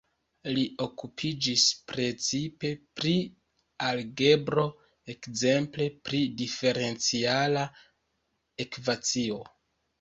Li okupiĝis precipe pri algebro, ekzemple pri diferenciala ekvacio.